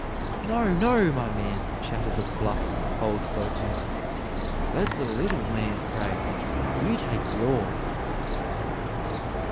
"No, no, my man," shouted the bluff old boatman; "_let the little man pray. You take an oar.